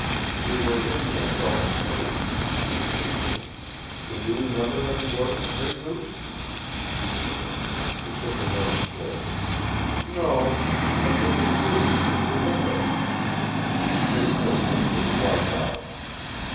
"We were in no sheltered place," he assured her. "Can you remember that we were, Gray Goose?" She shook her head slowly. "No. But there was Mooie, under the window." "His footprints will be wiped out."